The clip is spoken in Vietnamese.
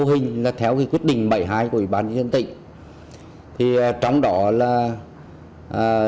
nhưng không thu hút được người vào chợ mua bán chai phép trên vỉa hè